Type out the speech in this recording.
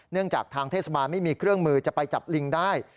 จากทางเทศบาลไม่มีเครื่องมือจะไปจับลิงได้